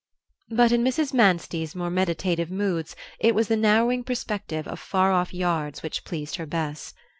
But in Mrs. Manstey's more meditative moods it was the narrowing perspective of far off yards which pleased her best.